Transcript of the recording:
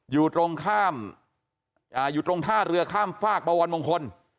อยู่ตรงท่าเรือข้ามฝากประวันมงคล